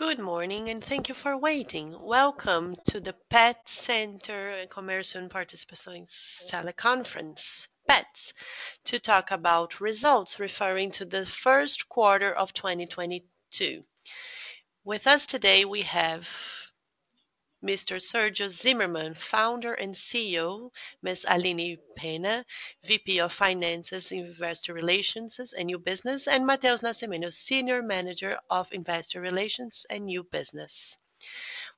Good morning, and thank you for waiting. Welcome to the Pet Center Comércio e Participações teleconference, Petz, to talk about results referring to the first quarter of 2022. With us today we have Mr. Sérgio Zimerman, Founder and CEO, Ms. Aline Penna, VP of Finance, Investor Relations, and New Business, and Matheus Nascimento, Senior Manager of Investor Relations and New Business.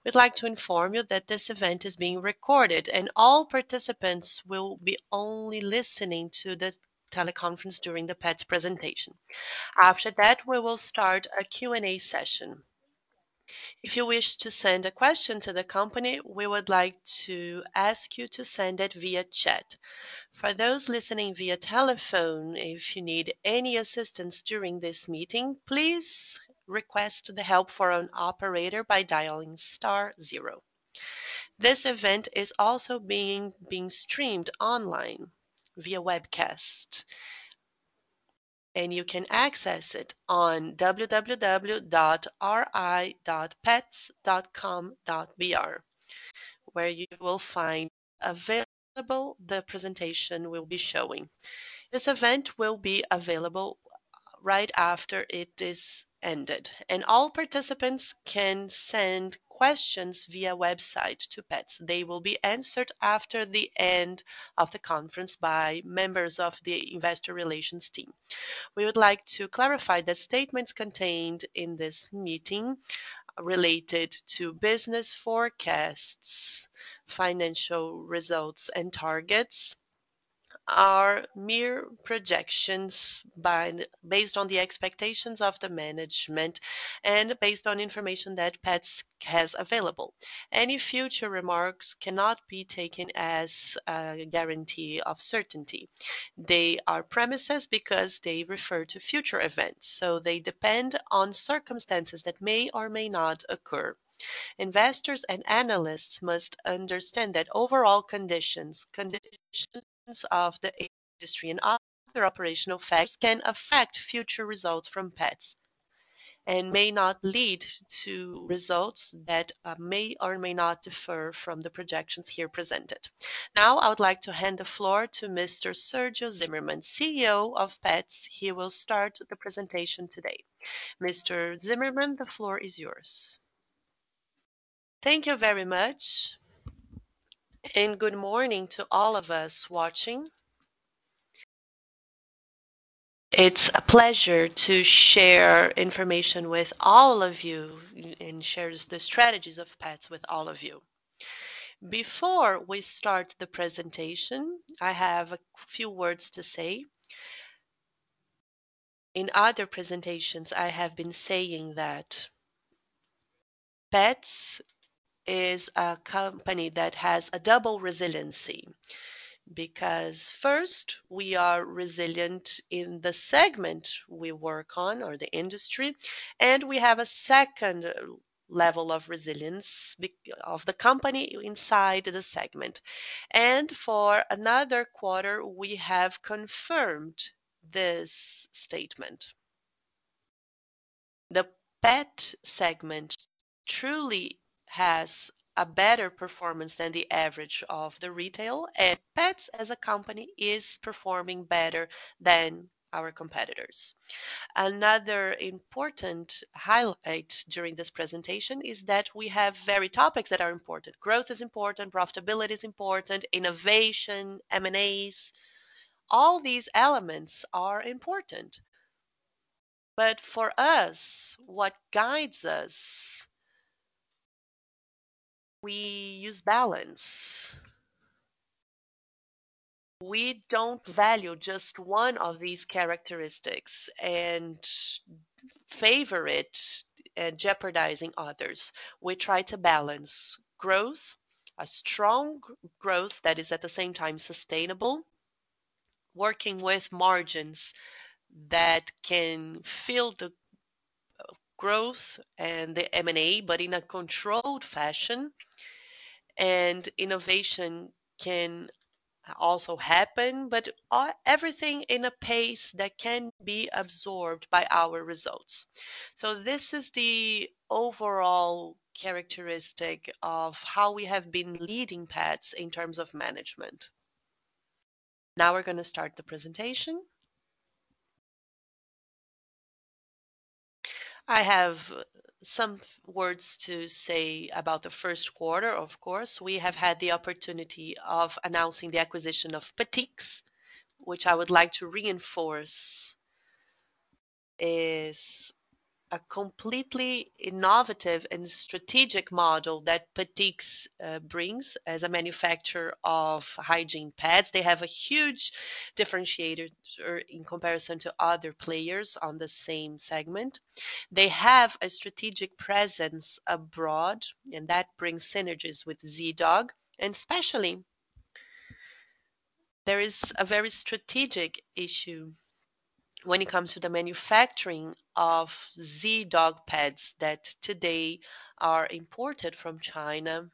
We'd like to inform you that this event is being recorded and all participants will be only listening to the teleconference during the Petz presentation. After that, we will start a Q and A session. If you wish to send a question to the company, we would like to ask you to send it via chat. For those listening via telephone, if you need any assistance during this meeting, please request the help for an operator by dialing star zero. This event is also being streamed online via webcast, and you can access it on www.ri.petz.com.br where you will find available the presentation we'll be showing. This event will be available right after it is ended, and all participants can send questions via website to Petz. They will be answered after the end of the conference by members of the investor relations team. We would like to clarify that statements contained in this meeting related to business forecasts, financial results, and targets are mere projections based on the expectations of the management and based on information that Petz has available. Any future remarks cannot be taken as a guarantee of certainty. They are premises because they refer to future events, so they depend on circumstances that may or may not occur. Investors and analysts must understand that overall conditions of the industry and other operational factors can affect future results from Petz and may not lead to results that may or may not differ from the projections here presented. Now I would like to hand the floor to Mr. Sérgio Zimerman, CEO of Petz. He will start the presentation today. Mr. Zimerman, the floor is yours. Thank you very much, and good morning to all of us watching. It's a pleasure to share information with all of you and share the strategies of Petz with all of you. Before we start the presentation, I have a few words to say. In other presentations, I have been saying that Petz is a company that has a double resiliency because first we are resilient in the segment we work on or the industry, and we have a second level of resilience of the company inside the segment. For another quarter, we have confirmed this statement. The pet segment truly has a better performance than the average of the retail, and Petz as a company is performing better than our competitors. Another important highlight during this presentation is that we have various topics that are important. Growth is important, profitability is important, innovation, M&As, all these elements are important. For us, what guides us, we use balance. We don't value just one of these characteristics and favor it and jeopardizing others. We try to balance growth, a strong growth that is at the same time sustainable, working with margins that can fill the growth and the M&A but in a controlled fashion. Innovation can also happen, but everything in a pace that can be absorbed by our results. This is the overall characteristic of how we have been leading Petz in terms of management. Now we're gonna start the presentation. I have some words to say about the first quarter, of course. We have had the opportunity of announcing the acquisition of Petix, which I would like to reinforce is a completely innovative and strategic model that Petix brings as a manufacturer of hygiene pads. They have a huge differentiator in comparison to other players on the same segment. They have a strategic presence abroad, and that brings synergies with Zee.Dog. There is a very strategic issue when it comes to the manufacturing of Zee.Dog pads that today are imported from China.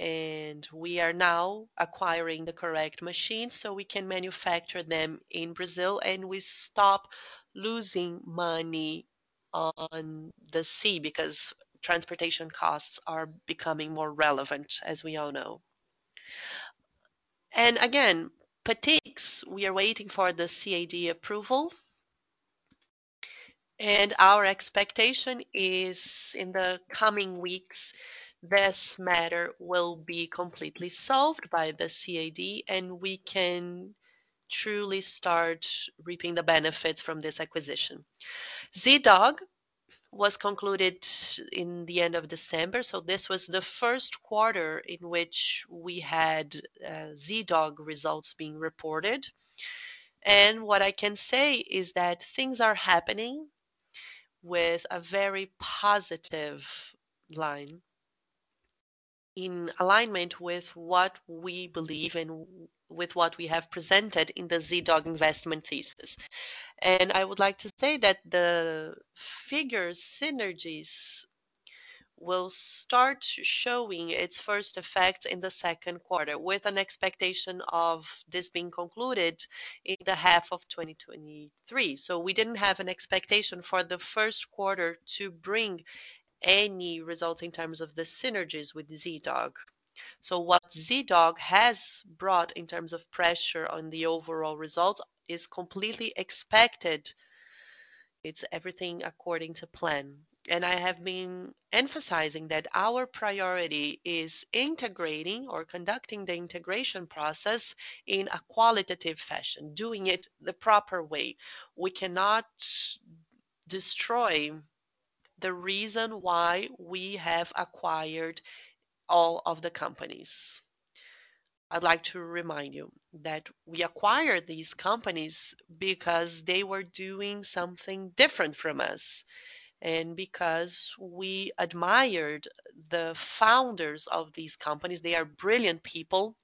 We are now acquiring the correct machines so we can manufacture them in Brazil and we stop losing money on the sea because transportation costs are becoming more relevant, as we all know. Again, Petix, we are waiting for the CADE approval. Our expectation is in the coming weeks, this matter will be completely solved by the CADE, and we can truly start reaping the benefits from this acquisition. Zee.Dog was concluded in the end of December, so this was the first quarter in which we had Zee.Dog results being reported. What I can say is that things are happening with a very positive line in alignment with what we believe and with what we have presented in the Zee.Dog investment thesis. I would like to say that the figures synergies will start showing its first effect in the second quarter, with an expectation of this being concluded in the half of 2023. We didn't have an expectation for the first quarter to bring any results in terms of the synergies with Zee.Dog. What Zee.Dog has brought in terms of pressure on the overall results is completely expected. It's everything according to plan. I have been emphasizing that our priority is integrating or conducting the integration process in a qualitative fashion, doing it the proper way. We cannot destroy the reason why we have acquired all of the companies. I'd like to remind you that we acquired these companies because they were doing something different from us and because we admired the founders of these companies. They are brilliant people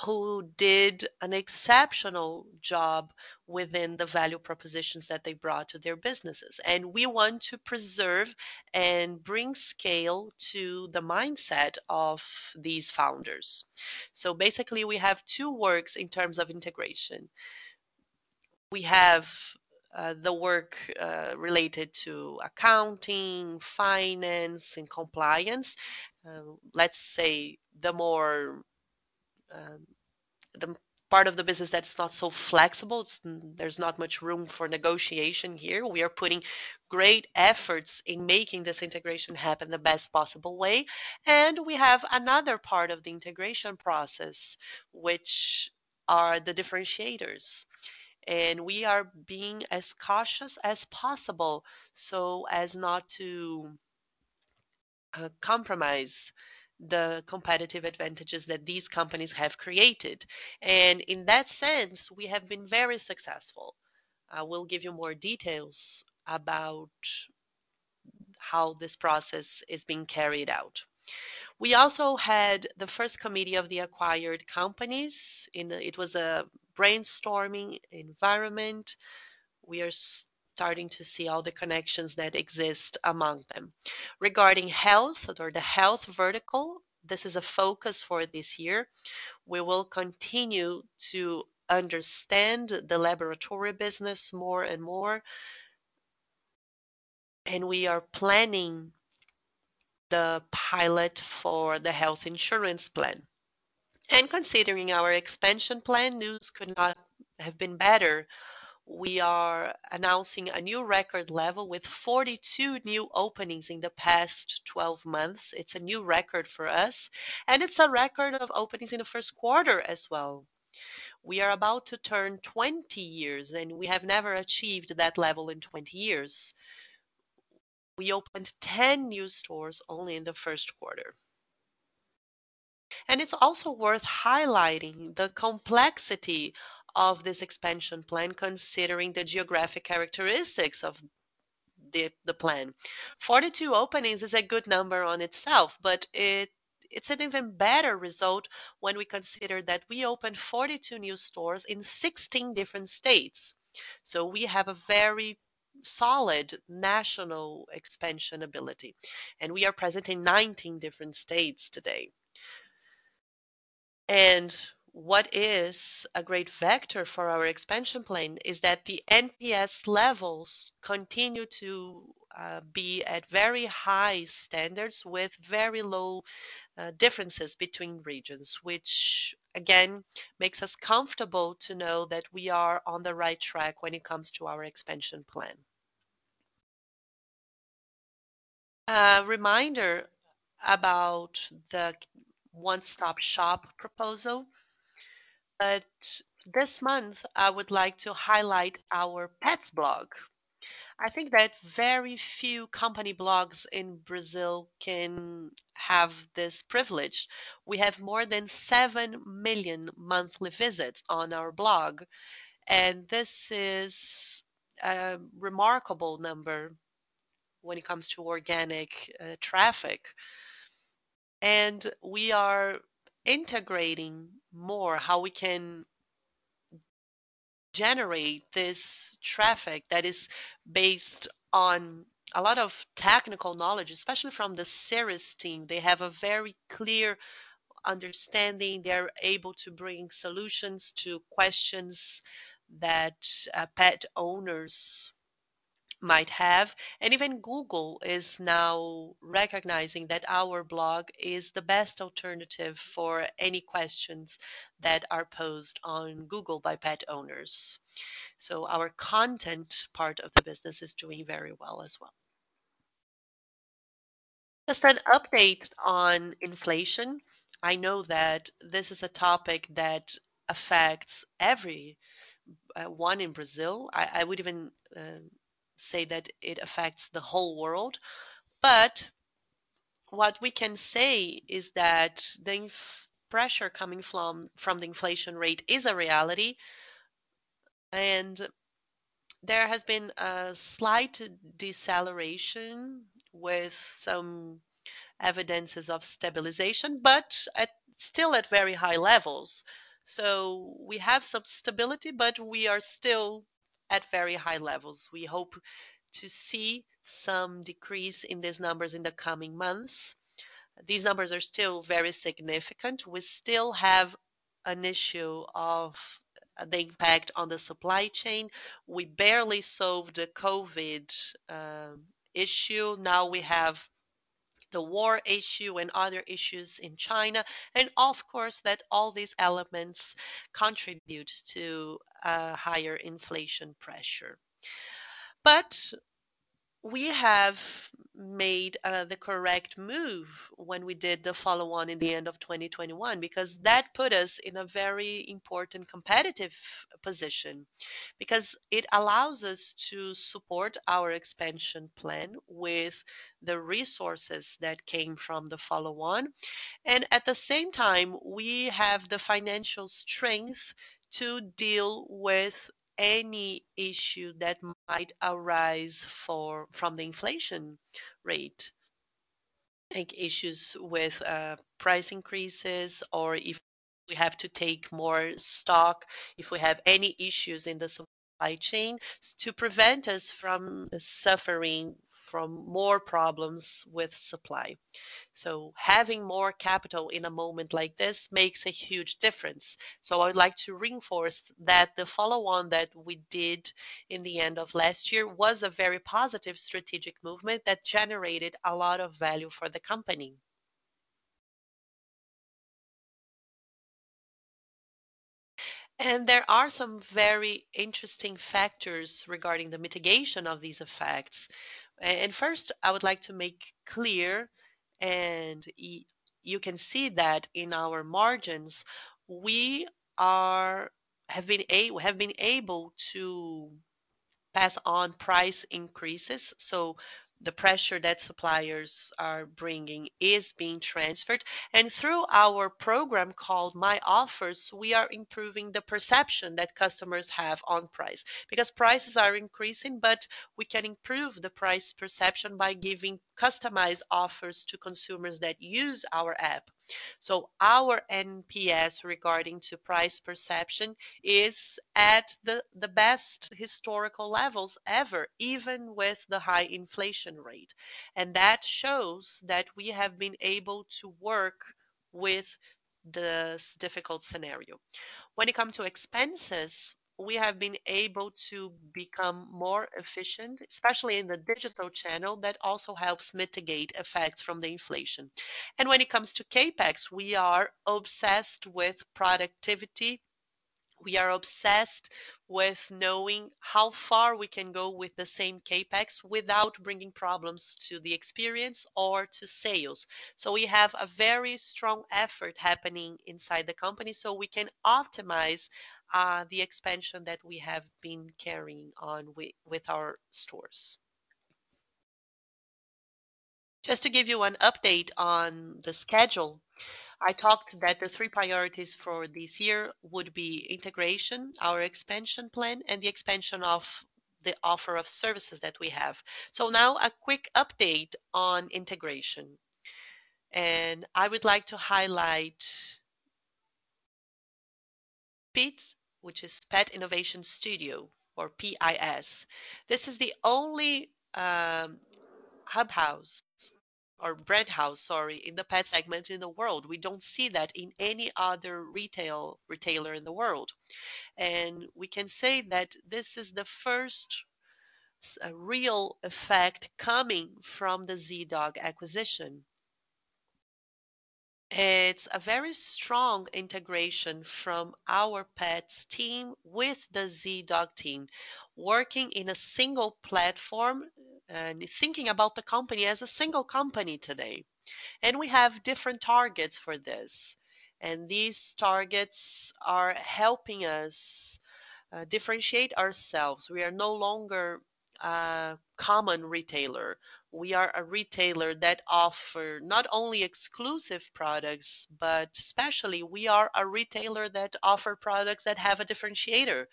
who did an exceptional job within the value propositions that they brought to their businesses. We want to preserve and bring scale to the mindset of these founders. Basically, we have two works in terms of integration. We have the work related to accounting, finance, and compliance. Let's say the more, the part of the business that's not so flexible, there's not much room for negotiation here. We are putting great efforts in making this integration happen the best possible way. We have another part of the integration process, which are the differentiators. We are being as cautious as possible so as not to compromise the competitive advantages that these companies have created. In that sense, we have been very successful. I will give you more details about how this process is being carried out. We also had the first committee of the acquired companies. It was a brainstorming environment. We are starting to see all the connections that exist among them. Regarding health or the health vertical, this is a focus for this year. We will continue to understand the laboratory business more and more, and we are planning the pilot for the health insurance plan. Considering our expansion plan, news could not have been better. We are announcing a new record level with 42 new openings in the past 12 months. It's a new record for us, and it's a record of openings in the first quarter as well. We are about to turn 20 years, and we have never achieved that level in 20 years. We opened 10 new stores only in the first quarter. It's also worth highlighting the complexity of this expansion plan, considering the geographic characteristics of the plan. 42 openings is a good number in itself, but it's an even better result when we consider that we opened 42 new stores in 16 different states. We have a very solid national expansion ability, and we are present in 19 different states today. What is a great factor for our expansion plan is that the NPS levels continue to be at very high standards with very low differences between regions, which again, makes us comfortable to know that we are on the right track when it comes to our expansion plan. A reminder about the one-stop shop proposal. This month, I would like to highlight our Petz blog. I think that very few company blogs in Brazil can have this privilege. We have more than 7 million monthly visits on our blog, and this is a remarkable number. When it comes to organic traffic. We are integrating more how we can generate this traffic that is based on a lot of technical knowledge, especially from the Seres team. They have a very clear understanding. They're able to bring solutions to questions that pet owners might have. Even Google is now recognizing that our blog is the best alternative for any questions that are posed on Google by pet owners. Our content part of the business is doing very well as well. Just an update on inflation. I know that this is a topic that affects everyone in Brazil. I would even say that it affects the whole world. What we can say is that the pressure coming from the inflation rate is a reality, and there has been a slight deceleration with some evidence of stabilization, but still at very high levels. We have some stability, but we are still at very high levels. We hope to see some decrease in these numbers in the coming months. These numbers are still very significant. We still have an issue of the impact on the supply chain. We barely solved the COVID issue. Now we have the war issue and other issues in China. Of course, that all these elements contribute to a higher inflation pressure. We have made the correct move when we did the follow-on in the end of 2021 because that put us in a very important competitive position. Because it allows us to support our expansion plan with the resources that came from the follow-on. At the same time, we have the financial strength to deal with any issue that might arise from the inflation rate. Like issues with price increases or if we have to take more stock, if we have any issues in the supply chain to prevent us from suffering from more problems with supply. Having more capital in a moment like this makes a huge difference. I would like to reinforce that the follow-on that we did in the end of last year was a very positive strategic movement that generated a lot of value for the company. There are some very interesting factors regarding the mitigation of these effects. First, I would like to make clear, you can see that in our margins, we have been able to pass on price increases, so the pressure that suppliers are bringing is being transferred. Through our program called My Offers, we are improving the perception that customers have on price. Because prices are increasing, but we can improve the price perception by giving customized offers to consumers that use our app. Our NPS regarding to price perception is at the best historical levels ever, even with the high inflation rate. That shows that we have been able to work with this difficult scenario. When it comes to expenses, we have been able to become more efficient, especially in the digital channel that also helps mitigate effects from the inflation. When it comes to CapEx, we are obsessed with productivity. We are obsessed with knowing how far we can go with the same CapEx without bringing problems to the experience or to sales. We have a very strong effort happening inside the company, so we can optimize the expansion that we have been carrying on with our stores. Just to give you an update on the schedule, I talked that the three priorities for this year would be integration, our expansion plan, and the expansion of the offer of services that we have. Now a quick update on integration. I would like to highlight PIS, which is Petz Innovation Studio, or PIS. This is the only brand house in the pet segment in the world. We don't see that in any other retailer in the world. We can say that this is the first real effect coming from the Zee.Dog acquisition. It's a very strong integration from our Petz team with the Zee.Dog team, working in a single platform and thinking about the company as a single company today. We have different targets for this. These targets are helping us differentiate ourselves. We are no longer a common retailer. We are a retailer that offer not only exclusive products, but especially we are a retailer that offer products that have a differentiator,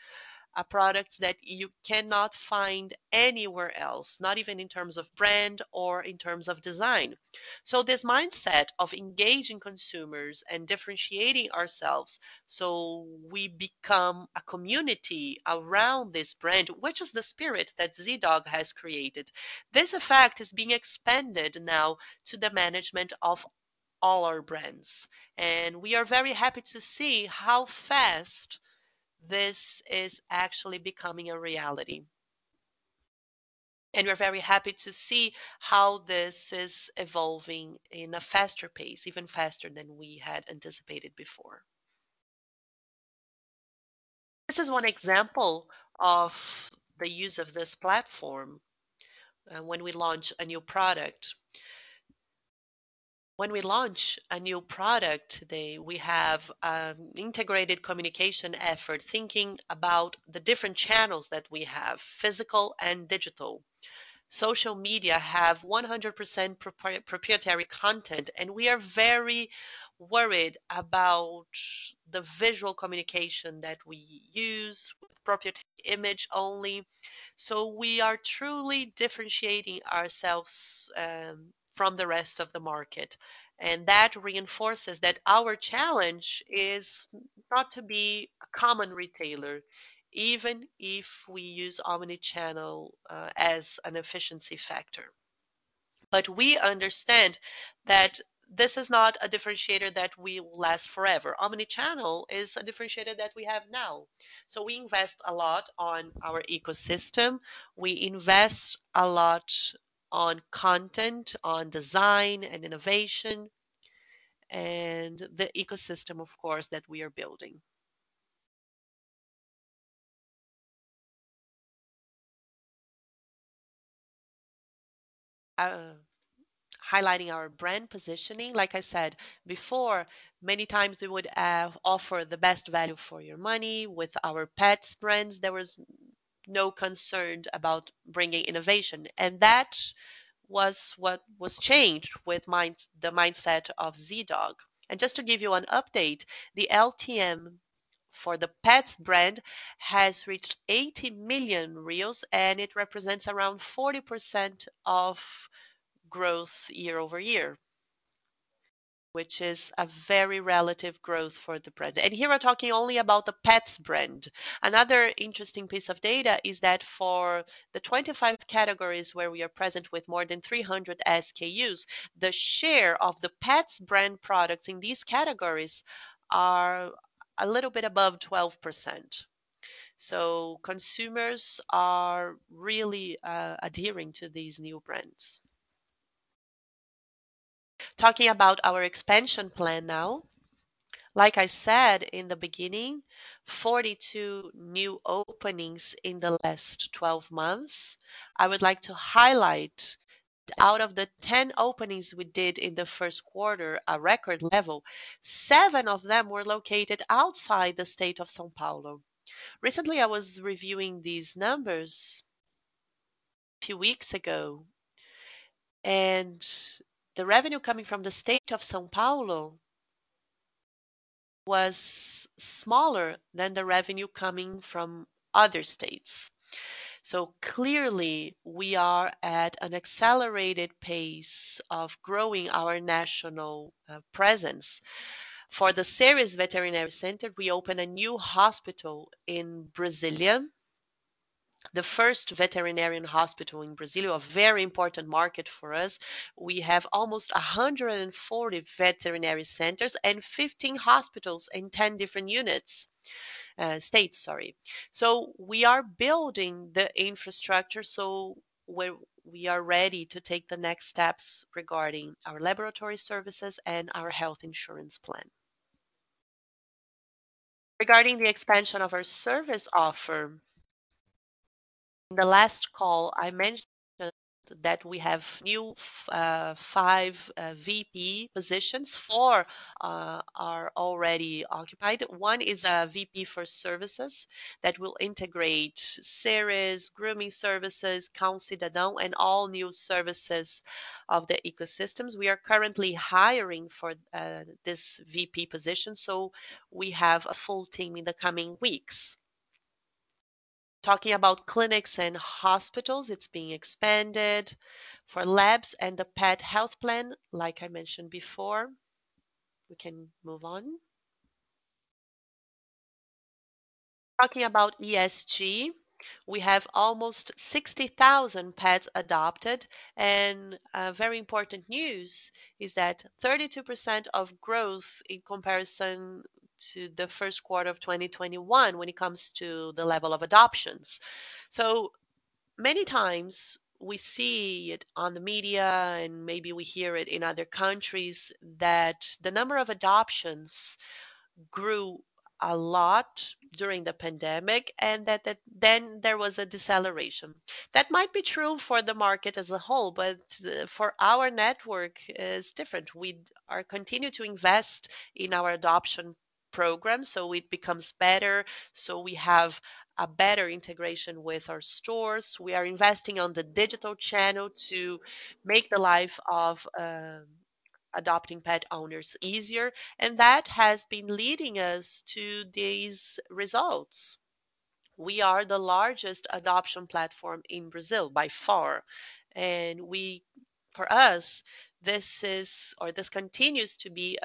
a product that you cannot find anywhere else, not even in terms of brand or in terms of design. This mindset of engaging consumers and differentiating ourselves so we become a community around this brand, which is the spirit that Zee.Dog has created. This effect is being expanded now to the management of all our brands, and we are very happy to see how fast this is actually becoming a reality. We're very happy to see how this is evolving in a faster pace, even faster than we had anticipated before. This is one example of the use of this platform, when we launch a new product. When we launch a new product, we have integrated communication effort, thinking about the different channels that we have, physical and digital. Social media have 100% proprietary content, and we are very worried about the visual communication that we use with proprietary image only. We are truly differentiating ourselves from the rest of the market, and that reinforces that our challenge is not to be a common retailer, even if we use omnichannel as an efficiency factor. We understand that this is not a differentiator that will last forever. Omnichannel is a differentiator that we have now. We invest a lot on our ecosystem. We invest a lot on content, on design and innovation, and the ecosystem, of course, that we are building. Highlighting our brand positioning, like I said before, many times we would offer the best value for your money. With our Petz brands, there was no concern about bringing innovation, and that was what was changed with the mindset of Zee.Dog. Just to give you an update, the LTM for the Petz brand has reached 80 million, and it represents around 40% growth year-over-year, which is a very relevant growth for the brand. Here we're talking only about the Petz brand. Another interesting piece of data is that for the 25 categories where we are present with more than 300 SKUs, the share of the Petz brand products in these categories are a little bit above 12%. Consumers are really adhering to these new brands. Talking about our expansion plan now. Like I said in the beginning, 42 new openings in the last 12 months. I would like to highlight that out of the 10 openings we did in the first quarter, a record level, seven of them were located outside the state of São Paulo. Recently, I was reviewing these numbers a few weeks ago, and the revenue coming from the state of São Paulo was smaller than the revenue coming from other states. Clearly, we are at an accelerated pace of growing our national presence. For the Seres Veterinary Center, we opened a new hospital in Brasília, the first veterinary hospital in Brasília, a very important market for us. We have almost 140 veterinary centers and 15 hospitals in 10 different states. We are building the infrastructure, we are ready to take the next steps regarding our laboratory services and our health insurance plan. Regarding the expansion of our service offer, in the last call, I mentioned that we have new five VP positions. Four are already occupied. One is a VP for services that will integrate Seres, grooming services, Cão Cidadão, and all new services of the ecosystems. We are currently hiring for this VP position, so we have a full team in the coming weeks. Talking about clinics and hospitals, it's being expanded for labs and the pet health plan, like I mentioned before. We can move on. Talking about ESG, we have almost 60,000 pets adopted, and very important news is that 32% growth in comparison to the first quarter of 2021 when it comes to the level of adoptions. Many times we see it on the media and maybe we hear it in other countries that the number of adoptions grew a lot during the pandemic, and that then there was a deceleration. That might be true for the market as a whole, but for our network is different. We are continue to invest in our adoption program, so it becomes better, so we have a better integration with our stores. We are investing on the digital channel to make the life of adopting pet owners easier, and that has been leading us to these results. We are the largest adoption platform in Brazil by far, for us, this continues to be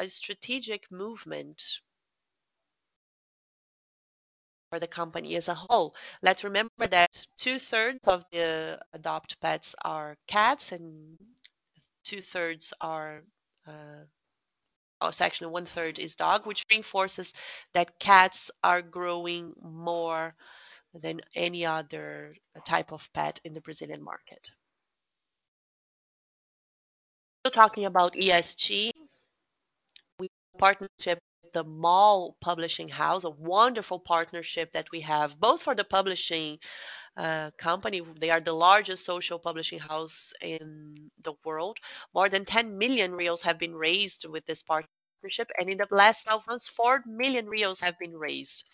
a strategic movement for the company as a whole. Let's remember that 2/3 of the adopt pets are cats and 1/3 is dog, which reinforces that cats are growing more than any other type of pet in the Brazilian market. Still talking about ESG, we have a partnership with Editora MOL, a wonderful partnership that we have both for the publishing company. They are the largest social publishing house in the world. More than 10 million reais have been raised with this partnership, and in the last 12 months, 4 million reais have been raised.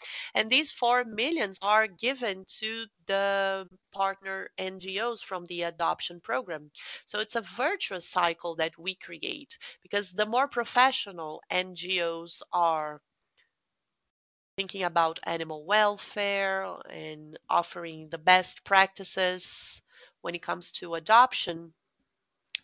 These 4 million are given to the partner NGOs from the adoption program. It's a virtuous cycle that we create because the more professional NGOs are thinking about animal welfare and offering the best practices when it comes to adoption,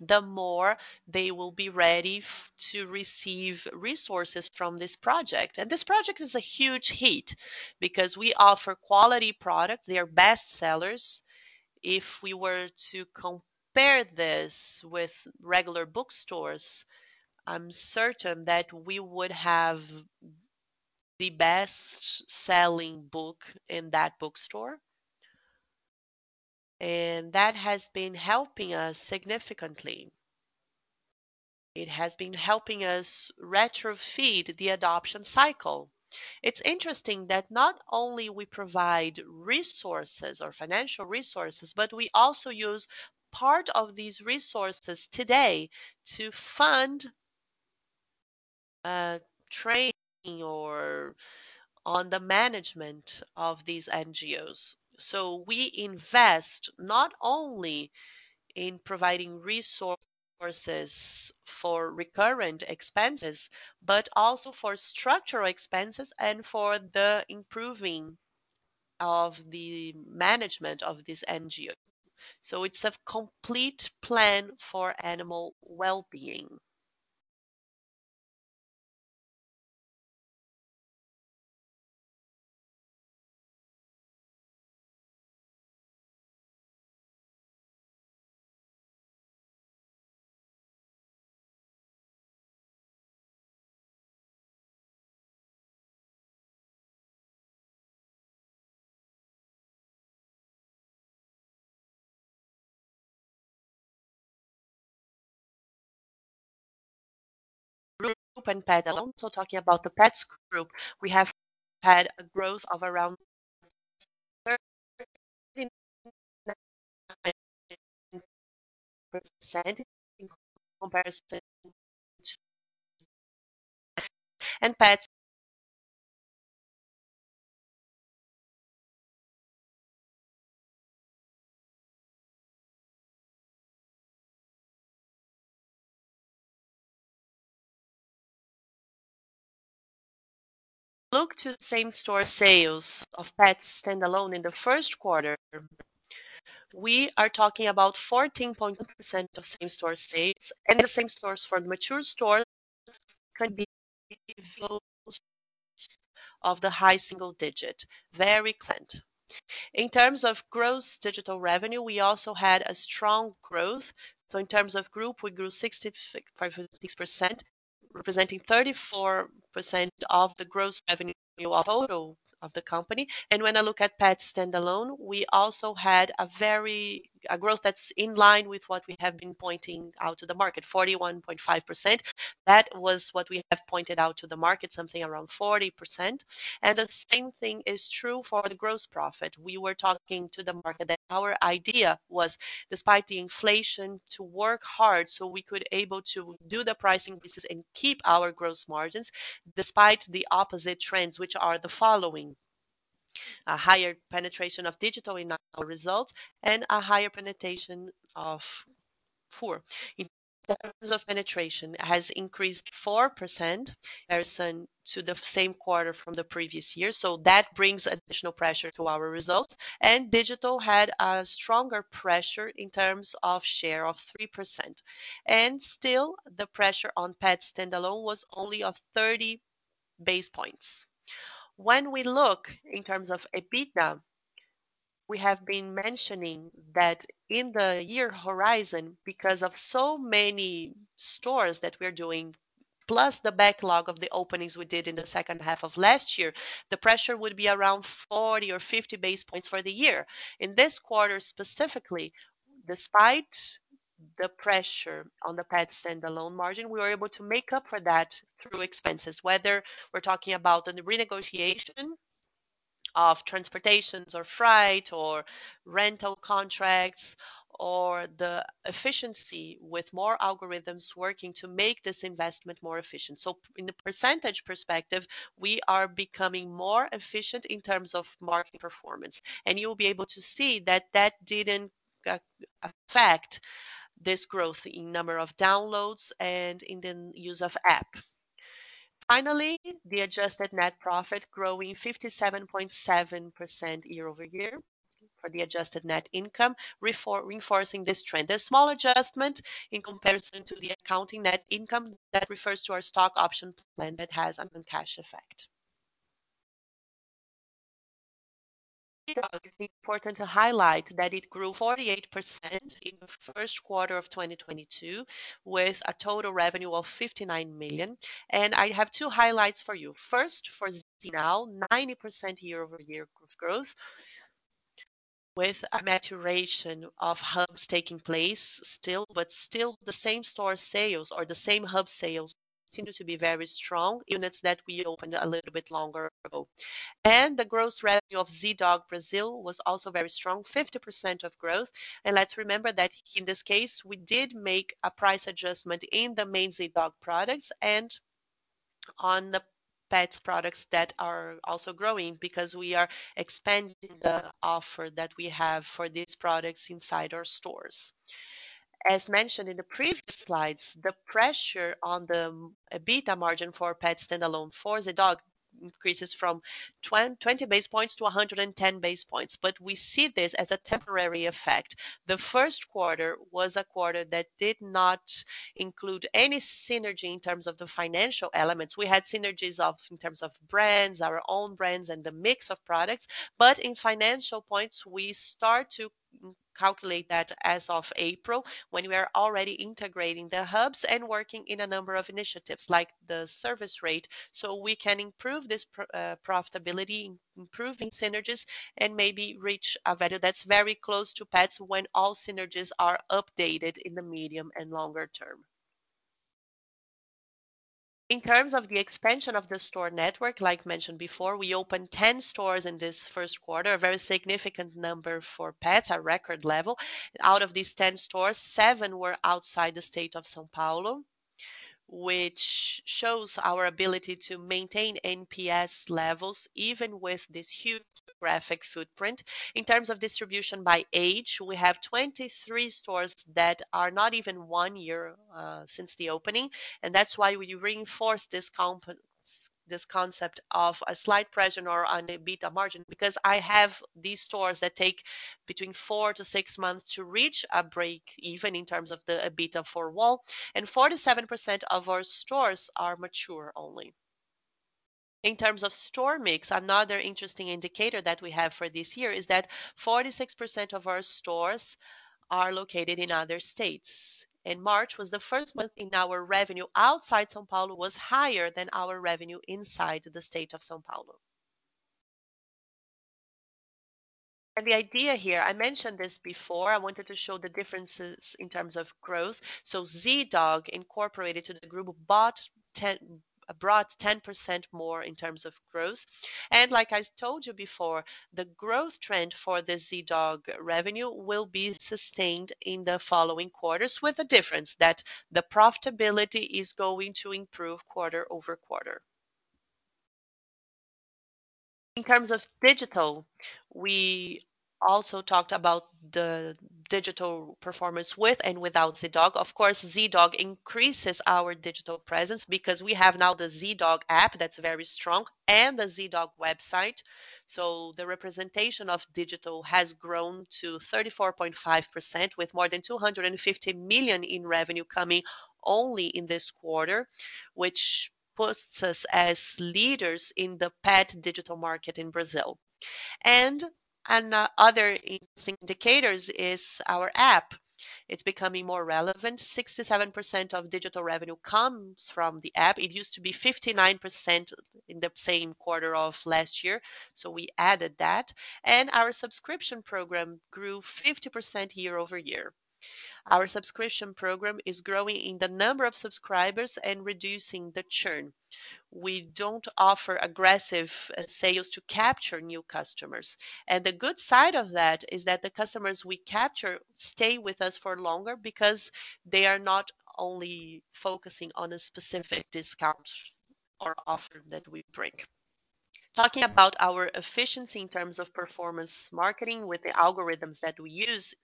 the more they will be ready to receive resources from this project. This project is a huge hit because we offer quality product. They are bestsellers. If we were to compare this with regular bookstores, I'm certain that we would have the best-selling book in that bookstore. That has been helping us significantly. It has been helping us retrofeed the adoption cycle. It's interesting that not only we provide resources or financial resources, but we also use part of these resources today to fund training or on the management of these NGOs. We invest not only in providing resources for recurrent expenses, but also for structural expenses and for the improving of the management of this NGO. It's a complete plan for animal well-being. Group and Petz standalone. Talking about the Petz group, we have had a growth of around 39.9% in comparison to last year. Let's look at same-store sales of Petz standalone in the first quarter, we are talking about 14.2% same-store sales, and the same stores for the mature stores could be close to the high single digit. Very clean. In terms of gross digital revenue, we also had a strong growth. In terms of group, we grew 65.6%, representing 34% of the gross revenue total of the company. When I look at Petz standalone, we also had a very—a growth that's in line with what we have been pointing out to the market, 41.5%. That was what we have pointed out to the market, something around 40%. The same thing is true for the gross profit. We were talking to the market that our idea was, despite the inflation, to work hard so we could able to do the pricing business and keep our gross margins despite the opposite trends, which are the following, a higher penetration of digital in our results and a higher penetration of food. In terms of penetration, it has increased 4% in comparison to the same quarter from the previous year. That brings additional pressure to our results. Digital had a stronger pressure in terms of share of 3%. Still, the pressure on Petz standalone was only of 30 basis points. When we look in terms of EBITDA, we have been mentioning that in the year horizon, because of so many stores that we're doing, plus the backlog of the openings we did in the second half of last year, the pressure would be around 40 or 50 basis points for the year. In this quarter specifically, despite the pressure on the Petz and the gross margin, we were able to make up for that through expenses, whether we're talking about the renegotiation of transportation or freight or rental contracts or the efficiency with more algorithms working to make this investment more efficient. In the percentage perspective, we are becoming more efficient in tErms of marketing performance, and you'll be able to see that that didn't affect this growth in number of downloads and in the use of app. Finally, the adjusted net profit growing 57.7% year-over-year for the adjusted net income reinforcing this trend. A small adjustment in comparison to the accounting net income that refers to our stock option plan that has a non-cash effect. It's important to highlight that it grew 48% in the first quarter of 2022, with a total revenue of 59 million. I have two highlights for you. First, for Zee.Dog, 90% year-over-year growth. With a maturation of hubs taking place still, but still the same-store sales or the same hub sales continue to be very strong, units that we opened a little bit longer ago. The gross revenue of Zee.Dog Brazil was also very strong, 50% of growth. Let's remember that in this case, we did make a price adjustment in the main Zee.Dog products and on the Petz products that are also growing because we are expanding the offer that we have for these products inside our stores. As mentioned in the previous slides, the pressure on the EBITDA margin for Petz standalone for Zee.Dog increases from 20 basis points to 110 basis points. We see this as a temporary effect. The first quarter was a quarter that did not include any synergy in terms of the financial elements. We had synergies of, in terms of brands, our own brands, and the mix of products. In financial points, we start to calculate that as of April, when we are already integrating the hubs and working in a number of initiatives like the service rate, so we can improve this profitability, improving synergies, and maybe reach a value that's very close to Petz when all synergies are updated in the medium and longer term. In terms of the expansion of the store network, like mentioned before, we opened 10 stores in this first quarter, a very significant number for Petz, a record level. Out of these 10 stores, seven were outside the state of São Paulo, which shows our ability to maintain NPS levels even with this huge geographic footprint. In terms of distribution by age, we have 23 stores that are not even one year since the opening, and that's why we reinforce this concept of a slight pressure on the EBITDA margin, because I have these stores that take between four to six months to reach a break even in terms of the EBITDA flow, and 47% of our stores are mature only. In terms of store mix, another interesting indicator that we have for this year is that 46% of our stores are located in other states. In March was the first month in our revenue outside São Paulo was higher than our revenue inside the state of São Paulo. The idea here, I mentioned this before, I wanted to show the differences in terms of growth. Zee.Dog incorporated to the group brought 10% more in terms of growth. Like I told you before, the growth trend for the Zee.Dog revenue will be sustained in the following quarters with the difference that the profitability is going to improve quarter-over-quarter. In terms of digital, we also talked about the digital performance with and without Zee.Dog. Of course, Zee.Dog increases our digital presence because we have now the Zee.Dog app that's very strong and the Zee.Dog website. The representation of digital has grown to 34.5% with more than 250 million in revenue coming only in this quarter, which puts us as leaders in the pet digital market in Brazil. Another interesting indicators is our app. It's becoming more relevant. 67% of digital revenue comes from the app. It used to be 59% in the same quarter of last year. We added that. Our subscription program grew 50% year-over-year. Our subscription program is growing in the number of subscribers and reducing the churn. We don't offer aggressive sales to capture new customers. The good side of that is that the customers we capture stay with us for longer because they are not only focusing on a specific discount or offer that we bring. Talking about our efficiency in terms of performance marketing with the algorithms that we use.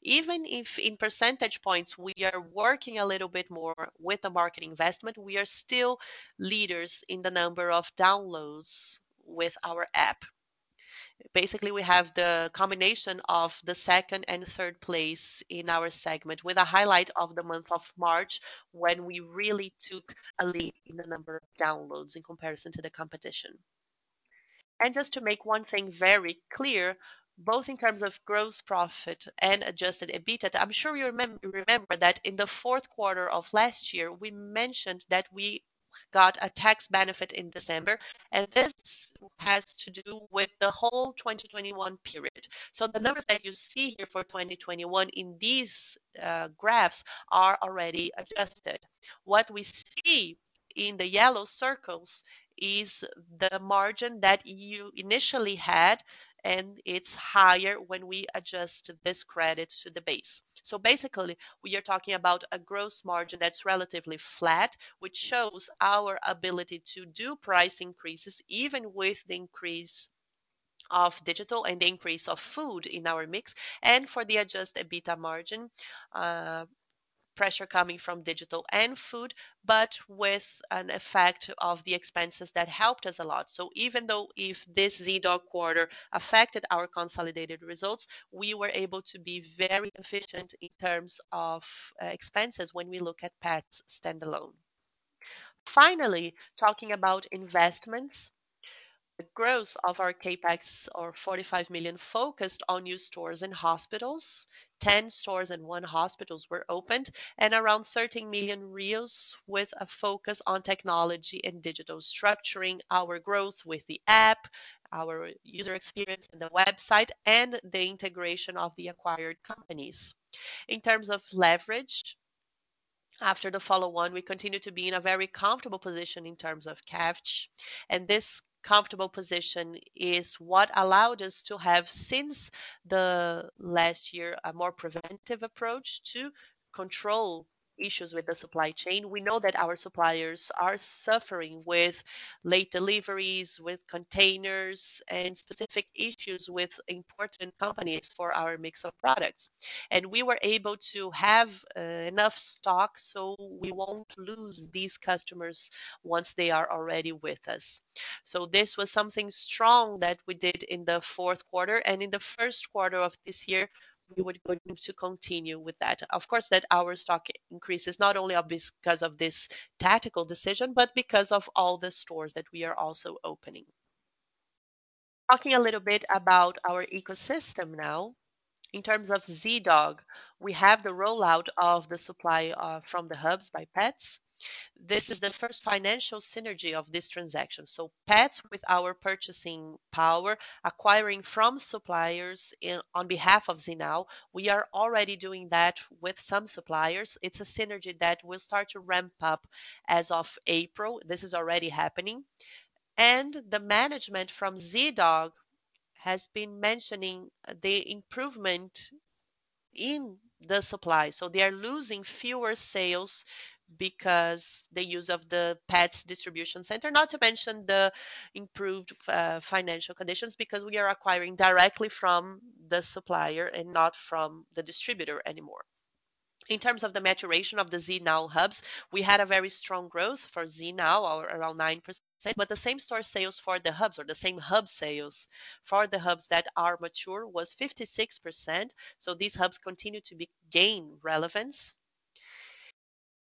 Even if in percentage points, we are working a little bit more with the marketing investment, we are still leaders in the number of downloads with our app. Basically, we have the combination of the second and third place in our segment with a highlight of the month of March, when we really took a lead in the number of downloads in comparison to the competition. Just to make one thing very clear, both in terms of gross profit and adjusted EBITDA, I'm sure you remember that in the fourth quarter of last year, we mentioned that we got a tax benefit in December, and this has to do with the whole 2021 period. The numbers that you see here for 2021 in these graphs are already adjusted. What we see in the yellow circles is the margin that you initially had, and it's higher when we adjust this credit to the base. Basically, we are talking about a gross margin that's relatively flat, which shows our ability to do price increases even with the increase of digital and the increase of food in our mix. For the adjusted EBITDA margin, pressure coming from digital and food, but with an effect of the expenses that helped us a lot. Even though if this Zee.Dog quarter affected our consolidated results, we were able to be very efficient in terms of expenses when we look at Petz standalone. Finally, talking about investments, the growth of our CapEx are 45 million focused on new stores and hospitals. 10 stores and one hospital were opened, and around 13 million with a focus on technology and digital structuring our growth with the app, our user experience in the website, and the integration of the acquired companies. In terms of leverage, after the follow-on, we continue to be in a very comfortable position in terms of cash, and this comfortable position is what allowed us to have, since the last year, a more preventive approach to control issues with the supply chain. We know that our suppliers are suffering with late deliveries, with containers, and specific issues with important companies for our mix of products. We were able to have enough stock, so we won't lose these customers once they are already with us. This was something strong that we did in the fourth quarter. In the first quarter of this year, we were going to continue with that. Of course, that our stock increases not only obvious 'cause of this tactical decision, but because of all the stores that we are also opening. Talking a little bit about our ecosystem now. In terms of Zee.Dog, we have the rollout of the supply from the hubs by Petz. This is the first financial synergy of this transaction. Petz with our purchasing power, acquiring from suppliers on behalf of Zee.Now. We are already doing that with some suppliers. It's a synergy that will start to ramp up as of April. This is already happening. The management from Zee.Dog has been mentioning the improvement in the supply. They are losing fewer sales because the use of the Petz distribution center, not to mention the improved financial conditions, because we are acquiring directly from the supplier and not from the distributor anymore. In terms of the maturation of the Zee.Now hubs, we had a very strong growth for Zee.Now, around 9%, but the same-store sales for the hubs or the same hub sales for the hubs that are mature was 56%. These hubs continue to gain relevance.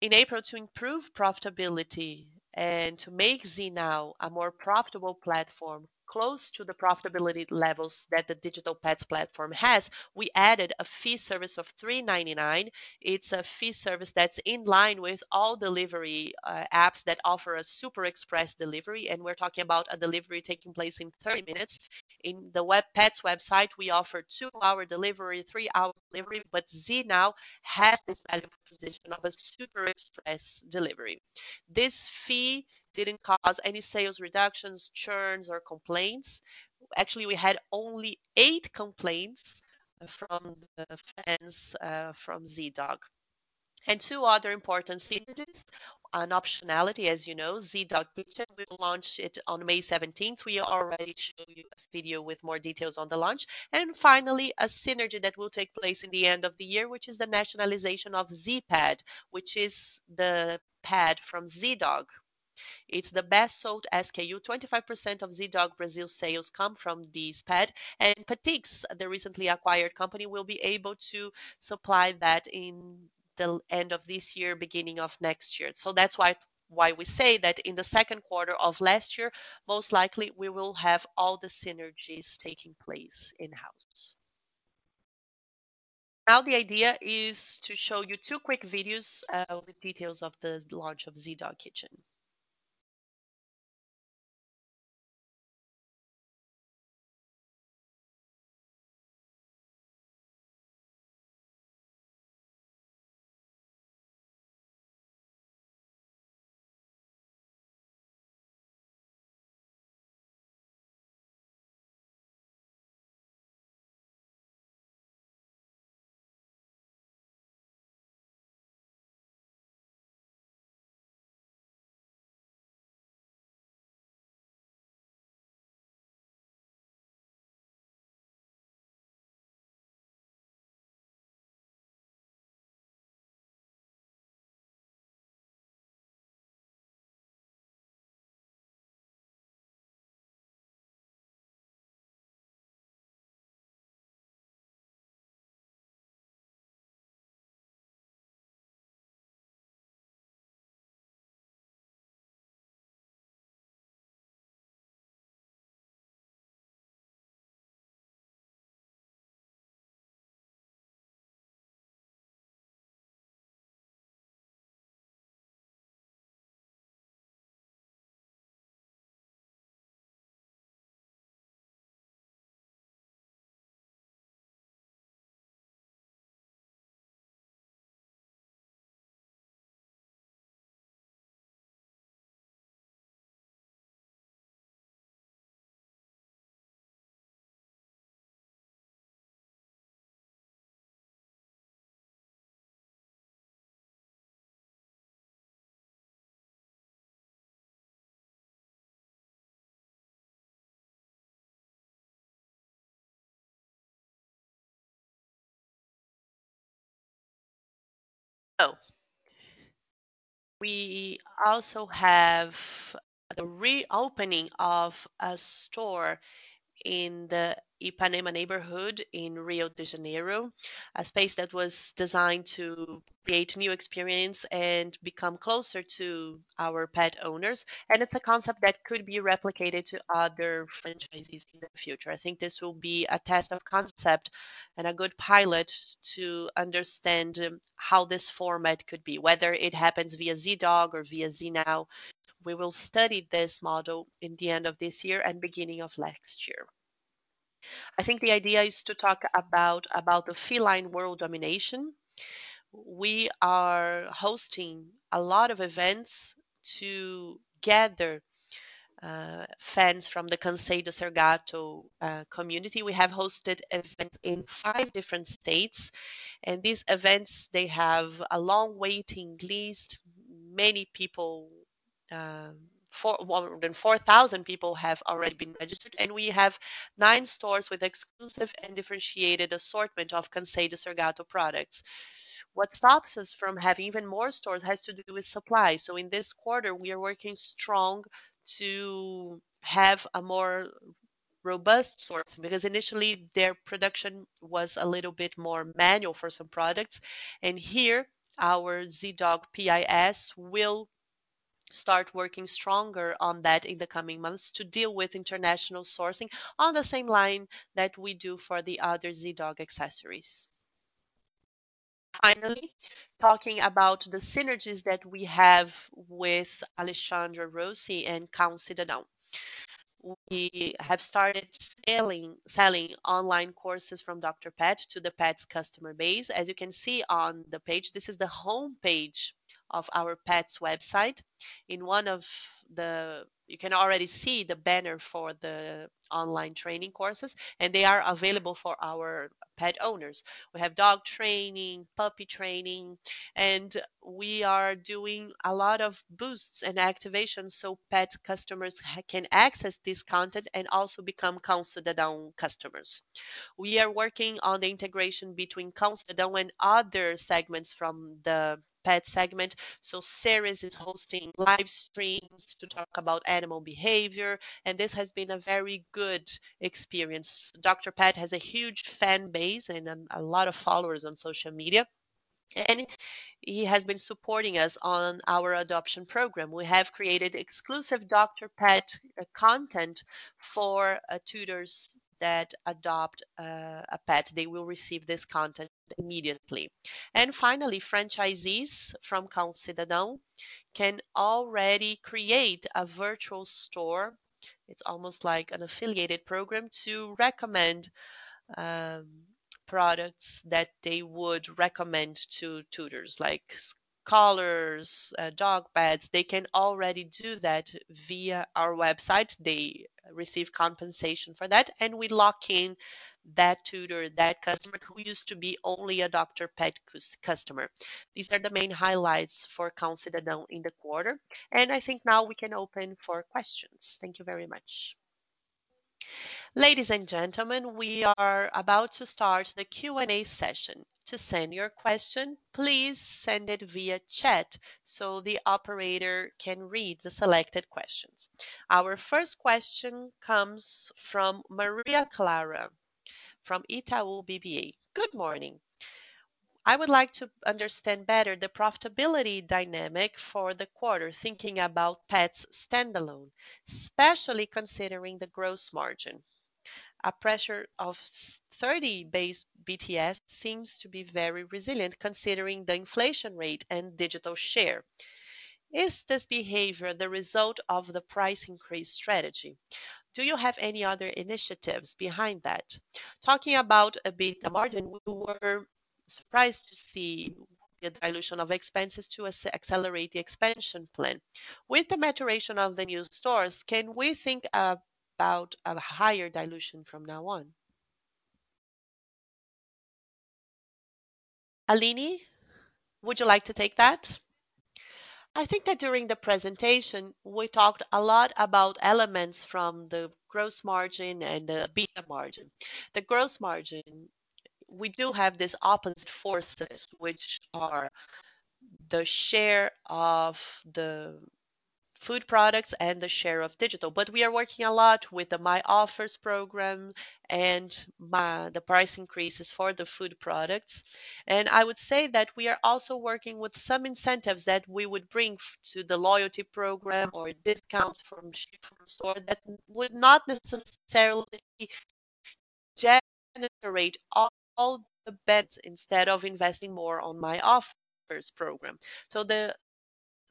In April, to improve profitability and to make Zee.Now a more profitable platform close to the profitability levels that the digital Petz platform has, we added a fee service of 3.99. It's a fee service that's in line with all delivery apps that offer a super express delivery, and we're talking about a delivery taking place in 30 minutes. In the web Petz website, we offer two-hour delivery, three-hour delivery, but Zee.Now has this value proposition of a super express delivery. This fee didn't cause any sales reductions, churns, or complaints. Actually, we had only eight complaints from the fans, from Zee.Dog. Two other important synergies and optionality, as you know, Zee.Dog Kitchen, we will launch it on May 17th. We already show you a video with more details on the launch. Finally, a synergy that will take place in the end of the year, which is the nationalization of Zee.Pad, which is the pad from Zee.Dog. It's the best-sold SKU. 25% of Zee.Dog Brazil sales come from this pad. Petix, the recently acquired company, will be able to supply that in the end of this year, beginning of next year. That's why we say that in the second quarter of last year, most likely we will have all the synergies taking place in-house. Now the idea is to show you two quick videos with details of the launch of Zee.Dog Kitchen. We also have the reopening of a store in the Ipanema neighborhood in Rio de Janeiro, a space that was designed to create new experience and become closer to our pet owners, and it's a concept that could be replicated to other franchisees in the future. I think this will be a test of concept and a good pilot to understand how this format could be, whether it happens via Zee.Dog or via Zee.Now. We will study this model in the end of this year and beginning of next year. I think the idea is to talk about the feline world domination. We are hosting a lot of events to gather fans from the Cansei de Ser Gato community. We have hosted events in five different states, and these events, they have a long waiting list. Many people, more than 4,000 people have already been registered, and we have nine stores with exclusive and differentiated assortment of Cansei de Ser Gato products. What stops us from having even more stores has to do with supply. In this quarter, we are working strong to have a more robust source. Because initially, their production was a little bit more manual for some products, and here our Zee.Dog P&S will start working stronger on that in the coming months to deal with international sourcing on the same line that we do for the other Zee.Dog accessories. Finally, talking about the synergies that we have with Alexandre Rossi and Cão Cidadão. We have started selling online courses from Dr. Pet to the Petz's customer base. As you can see on the page, this is the homepage of our Petz's website. In one of the You can already see the banner for the online training courses, and they are available for our pet owners. We have dog training, puppy training, and we are doing a lot of boosts and activations so Pet customers can access this content and also become Cão Cidadão customers. We are working on the integration between Cão Cidadão and other segments from the pet segment, so Seres is hosting live streams to talk about animal behavior, and this has been a very good experience. Dr. Pet has a huge fan base and a lot of followers on social media, and he has been supporting us on our adoption program. We have created exclusive Dr. Pet content for tutors that adopt a pet. They will receive this content immediately. Finally, franchisees from Cão Cidadão can already create a virtual store. It's almost like an affiliated program to recommend products that they would recommend to tutors, like collars, dog beds. They can already do that via our website. They receive compensation for that, and we lock in that tutor, that customer who used to be only a Dr. Pet customer. These are the main highlights for Cão Cidadão in the quarter, and I think now we can open for questions. Thank you very much. Ladies and gentlemen, we are about to start the Q and A session. To send your question, please send it via chat so the operator can read the selected questions. Our first question comes from Maria Clara from Itaú BBA. Good morning. I would like to understand better the profitability dynamic for the quarter, thinking about Petz standalone, especially considering the gross margin. A pressure of 30 basis points seems to be very resilient considering the inflation rate and digital share. Is this behavior the result of the price increase strategy? Do you have any other initiatives behind that? Talking about EBITDA margin, we were surprised to see the dilution of expenses to accelerate the expansion plan. With the maturation of the new stores, can we think about a higher dilution from now on? Aline, would you like to take that? I think that during the presentation, we talked a lot about elements from the gross margin and the EBITDA margin. The gross margin, we do have these opposite forces, which are the share of the food products and the share of digital. We are working a lot with the Minhas Ofertas program and the price increases for the food products. I would say that we are also working with some incentives that we would bring to the loyalty program or discounts from ship from store that would not necessarily generate all the costs instead of investing more on My Offers program.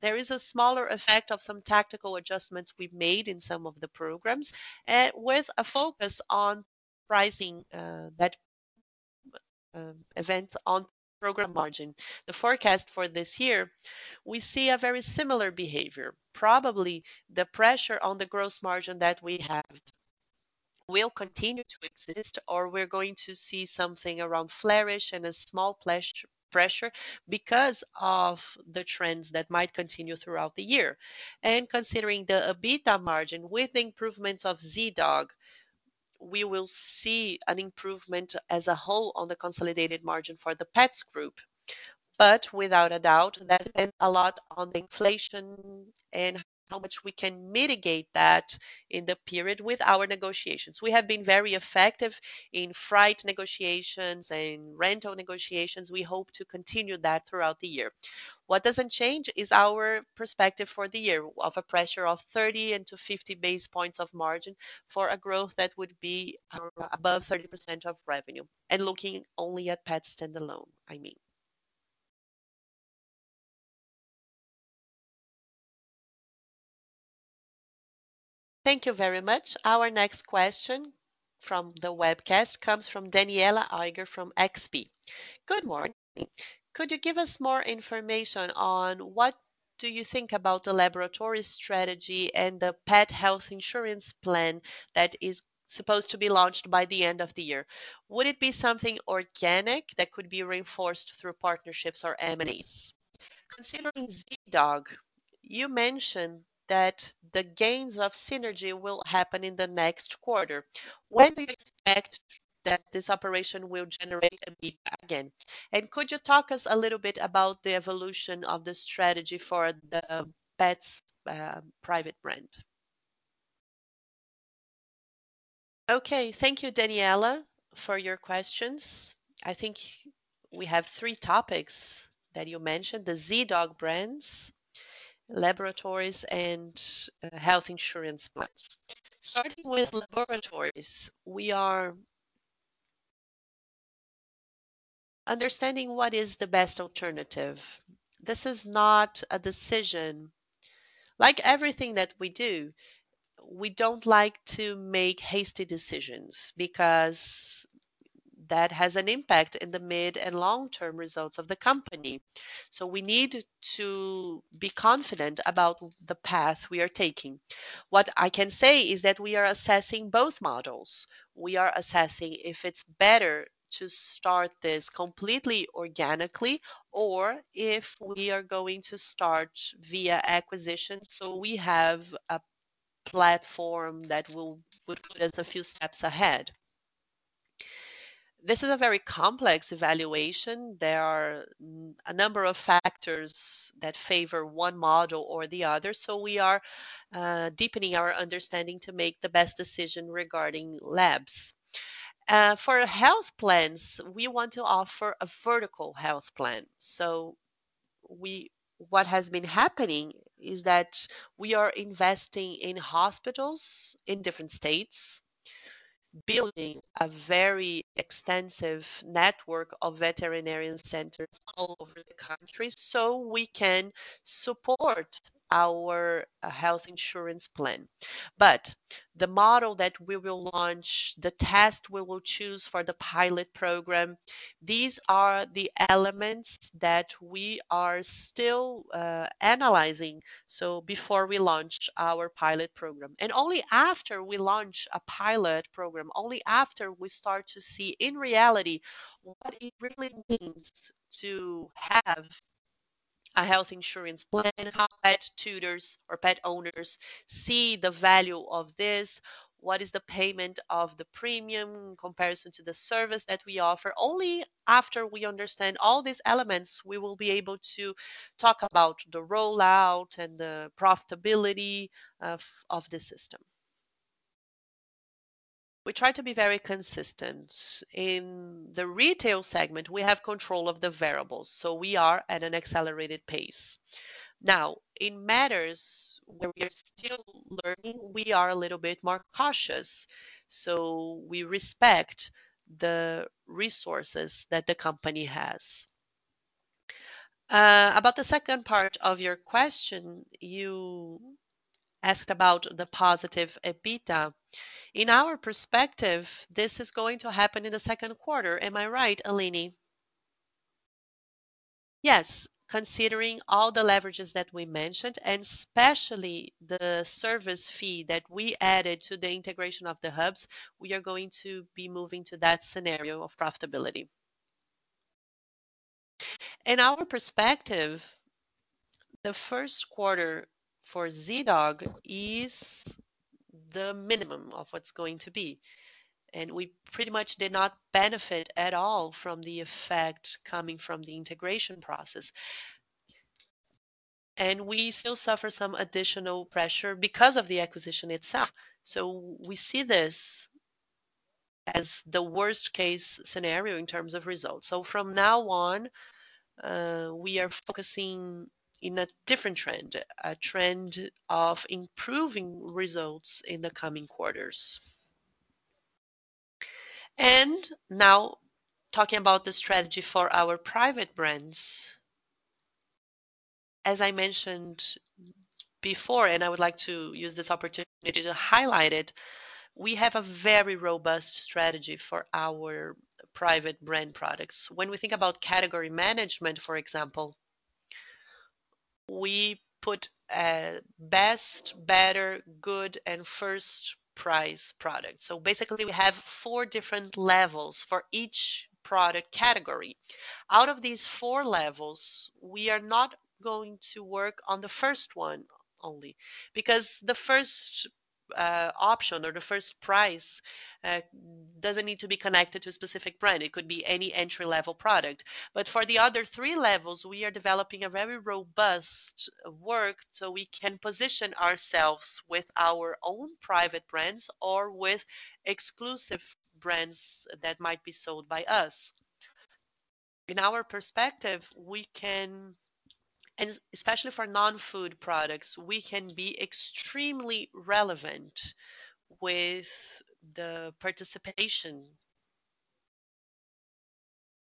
There is a smaller effect of some tactical adjustments we've made in some of the programs, with a focus on pricing, that impacts the program margin. The forecast for this year, we see a very similar behavior. Probably the pressure on the gross margin that we have will continue to exist, or we're going to see something around flatish and a small pressure because of the trends that might continue throughout the year. Considering the EBITDA margin with improvements of Zee.Dog, we will see an improvement as a whole on the consolidated margin for the Petz group. Without a doubt, that depends a lot on the inflation and how much we can mitigate that in the period with our negotiations. We have been very effective in freight negotiations and rental negotiations. We hope to continue that throughout the year. What doesn't change is our perspective for the year of a pressure of 30 to 50 basis points of margin for a growth that would be above 30% of revenue, and looking only at Petz standalone, I mean. Thank you very much. Our next question from the webcast comes from Danniela Eiger from XP. Good morning. Could you give us more information on what you think about the laboratory strategy and the pet health insurance plan that is supposed to be launched by the end of the year? Would it be something organic that could be reinforced through partnerships or M&As? Considering Zee.Dog, you mentioned that the gains of synergy will happen in the next quarter. When do you expect that this operation will generate EBITDA again? And could you talk us a little bit about the evolution of the strategy for the Petz private brand? Okay. Thank you, Daniela, for your questions. I think we have three topics that you mentioned: the Zee.Dog brands, laboratories and health insurance plans. Starting with laboratories, we are understanding what is the best alternative. This is not a decision. Like everything that we do, we don't like to make hasty decisions because that has an impact in the mid and long-term results of the company. We need to be confident about the path we are taking. What I can say is that we are assessing both models. We are assessing if it's better to start this completely organically or if we are going to start via acquisition, so we have a platform that will put us a few steps ahead. This is a very complex evaluation. There are a number of factors that favor one model or the other, so we are deepening our understanding to make the best decision regarding labs. For health plans, we want to offer a vertical health plan. What has been happening is that we are investing in hospitals in different states, building a very extensive network of veterinary centers all over the country, so we can support our health insurance plan. The model that we will launch, the test we will choose for the pilot program, these are the elements that we are still analyzing, so before we launch our pilot program. Only after we launch a pilot program, only after we start to see in reality what it really means to have a health insurance plan, how pet tutors or pet owners see the value of this, what is the payment of the premium in comparison to the service that we offer. Only after we understand all these elements, we will be able to talk about the rollout and the profitability of the system. We try to be very consistent. In the retail segment, we have control of the variables, so we are at an accelerated pace. Now, in matters where we are still learning, we are a little bit more cautious, so we respect the resources that the company has. About the second part of your question, you ask about the positive EBITDA. In our perspective, this is going to happen in the second quarter. Am I right, Aline? Yes. Considering all the leverages that we mentioned, and especially the service fee that we added to the integration of the hubs, we are going to be moving to that scenario of profitability. In our perspective, the first quarter for Zee.Dog is the minimum of what's going to be. We pretty much did not benefit at all from the effect coming from the integration process. We still suffer some additional pressure because of the acquisition itself. We see this as the worst case scenario in terms of results. From now on, we are focusing in a different trend, a trend of improving results in the coming quarters. Now talking about the strategy for our private brands. As I mentioned before, and I would like to use this opportunity to highlight it, we have a very robust strategy for our private brand products. When we think about category management, for example, we put a best, better, good, and first price product. Basically we have four different levels for each product category. Out of these four levels, we are not going to work on the first one only, because the first, option or the first price, doesn't need to be connected to a specific brand. It could be any entry-level product. For the other three levels, we are developing a very robust work, so we can position ourselves with our own private brands or with exclusive brands that might be sold by us. In our perspective, especially for non-food products, we can be extremely relevant with the participation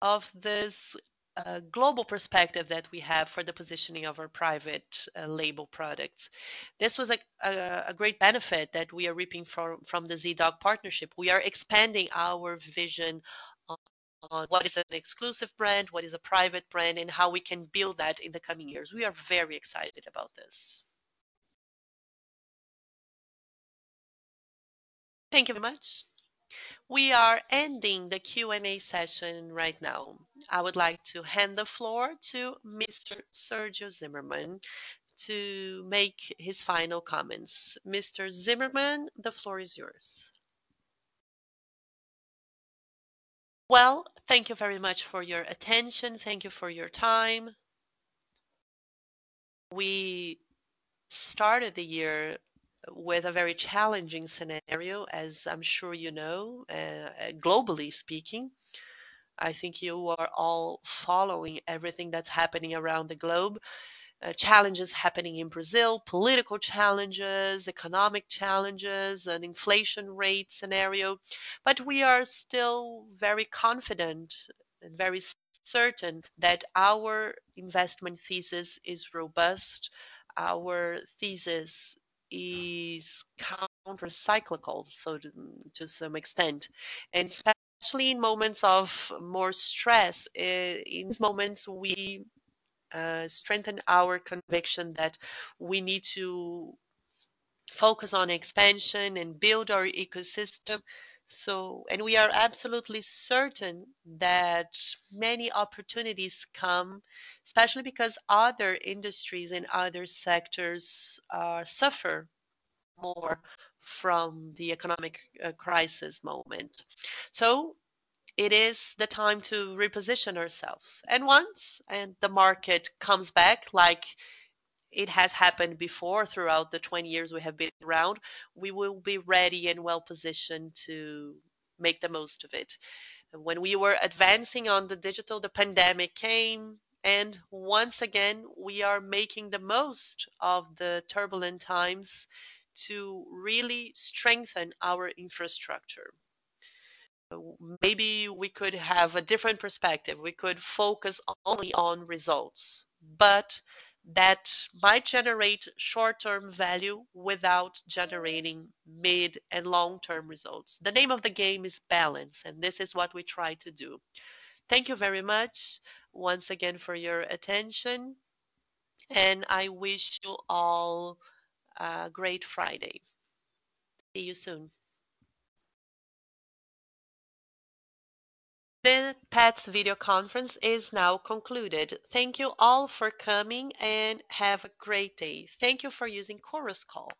of this global perspective that we have for the positioning of our private label products. This was a great benefit that we are reaping from the Zee.Dog partnership. We are expanding our vision on what is an exclusive brand, what is a private brand, and how we can build that in the coming years. We are very excited about this. Thank you very much. We are ending the Q and A session right now. I would like to hand the floor to Mr. Sérgio Zimerman to make his final comments. Mr. Zimerman, the floor is yours. Well, thank you very much for your attention. Thank you for your time. We started the year with a very challenging scenario, as I'm sure you know, globally speaking. I think you are all following everything that's happening around the globe. Challenges happening in Brazil, political challenges, economic challenges, an inflation rate scenario. We are still very confident and very certain that our investment thesis is robust. Our thesis is countercyclical, so to some extent. Especially in moments of more stress, in these moments, we strengthen our conviction that we need to focus on expansion and build our ecosystem. We are absolutely certain that many opportunities come, especially because other industries in other sectors suffer more from the economic crisis moment. It is the time to reposition ourselves. Once the market comes back like it has happened before throughout the 20 years we have been around, we will be ready and well-positioned to make the most of it. When we were advancing on the digital, the pandemic came, and once again, we are making the most of the turbulent times to really strengthen our infrastructure. Maybe we could have a different perspective. We could focus only on results, but that might generate short-term value without generating mid and long-term results. The name of the game is balance, and this is what we try to do. Thank you very much once again for your attention, and I wish you all a great Friday. See you soon. The Petz video conference is now concluded. Thank you all for coming, and have a great day. Thank you for using Chorus Call.